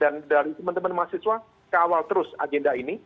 dan dari teman teman mahasiswa kawal terus agenda ini